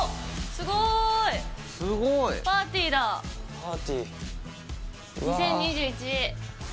すごーいすごいパーティー２０２１